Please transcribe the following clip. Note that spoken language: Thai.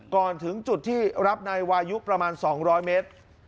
ก่อนถึงจุดที่รับนายวายุประมาณ๒๐๐เมตร